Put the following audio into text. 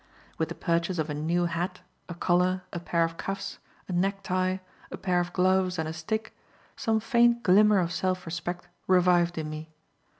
With the purchase of a new hat, a collar, a pair of cuffs, a neck tie, a pair of gloves and a stick, some faint glimmer of self respect revived in me.